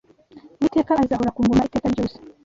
Uwiteka azahora ku ngoma iteka ryose.